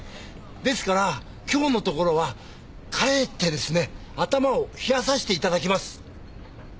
ですから今日のところは帰ってですね頭を冷やさせて頂きます！